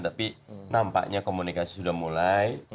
tapi nampaknya komunikasi sudah mulai